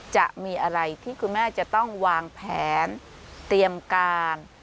จะมีอะไรที่คุณแม่จะต้องวางแผนเตรียมการ